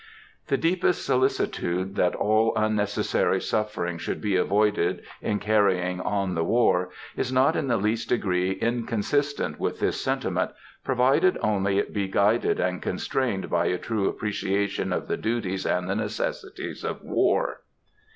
The deepest solicitude that all unnecessary suffering should be avoided in carrying on the war, is not in the least degree inconsistent with this sentiment, provided only it be guided and constrained by a true appreciation of the duties and the necessities of war.